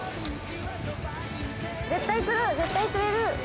絶対釣る絶対釣れる！